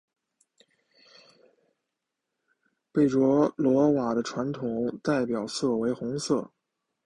贝卓罗瓦的传统代表色为红色。